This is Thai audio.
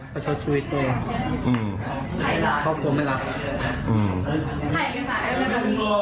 ประชดชีวิตตัวเองอืมครอบครัวไม่รักอืม